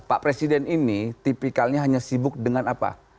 pak presiden ini tipikalnya hanya sibuk dengan apa